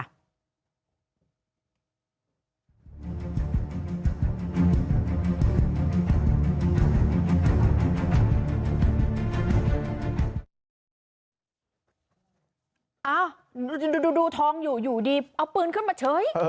เอ้าดูทองอยู่อยู่ดีเอาปืนขึ้นมาเฉย